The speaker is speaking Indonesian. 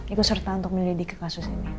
ikut serta untuk menyelidiki kasus ini